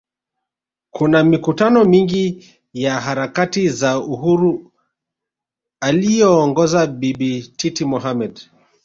Kuna mikutano mingi ya harakati za Uhuru aliyoongoza Bibi Titi Mohammed